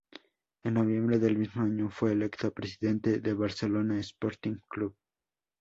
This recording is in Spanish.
En noviembre del mismo año, fue electo Presidente de Barcelona Sporting Club.